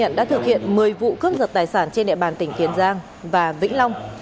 các đối tượng đã thực hiện một mươi vụ cướp giật tài sản trên địa bàn tỉnh tiền giang và vĩnh long